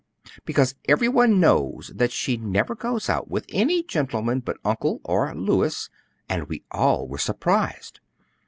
"Because every one knows that she never goes out with any gentleman but Uncle or Louis, and we all were surprised.